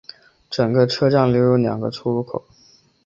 整个车站留有两个出入口。